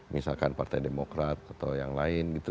misalkan partai demokrat atau yang lain gitu